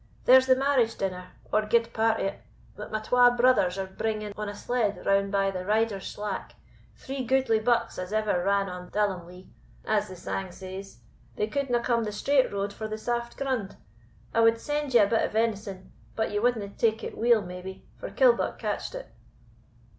There's the marriage dinner, or gude part o't, that my twa brithers are bringing on a sled round by the Riders' Slack, three goodly bucks as ever ran on Dallomlea, as the sang says; they couldna come the straight road for the saft grund. I wad send ye a bit venison, but ye wadna take it weel maybe, for Killbuck catched it."